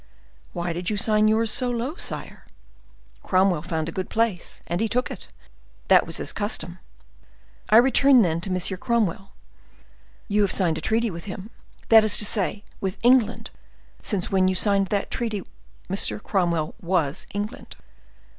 "Why did you sign yours so lo down, sire? Cromwell found a good place, and he took it; that was his custom. I return, then, to M. Cromwell. You have a treaty with him, that is to say, with England, since when you signed that treaty M. Cromwell was England."